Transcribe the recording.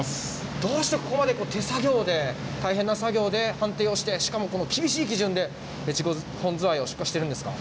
どうしてここまで手作業で、大変な作業で判定をして、しかも厳しい基準で越後本ズワイを出荷しているんですか。